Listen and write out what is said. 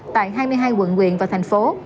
tại hai mươi hai quận nguyện và thành phố